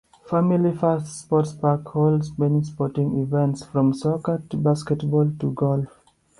Family First Sports Park holds many sporting events from soccer to basketball to golf.